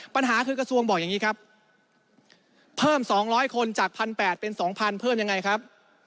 ปัญหาคือกระทรวงบอกอย่างนี้ครับเพิ่ม๒๐๐คนจาก๑๘๐๐เป็น๒๐๐เพิ่มยังไงครับ